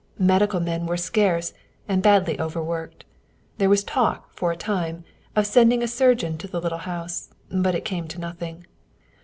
Medical men were scarce, and badly overworked. There was talk, for a time, of sending a surgeon to the little house, but it came to nothing.